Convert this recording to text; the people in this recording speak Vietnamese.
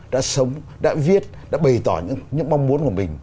đã sống đã viết đã bày tỏ những mong muốn của mình